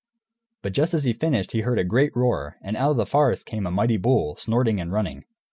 But just as he finished he heard a great roar, and out of the forest came a mighty bull, snorting and running.